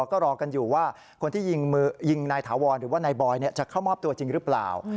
ก็รอกันอยู่ว่าคนที่ยิงนายถาวรหรือว่านายบอยจะเข้ามอบตัวจริงหรือเปล่า